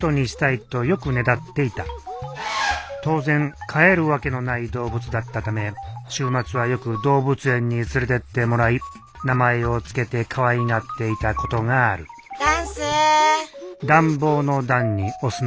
当然飼えるわけのない動物だったため週末はよく動物園に連れてってもらい名前を付けてかわいがっていたことがある暖酢。